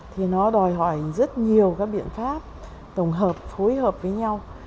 thì nó đòi hỏi rất nhiều các biện pháp tổng hợp phối hợp với nhau